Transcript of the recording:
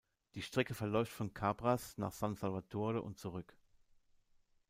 Die Strecke verläuft von Cabras nach San Salvatore und zurück.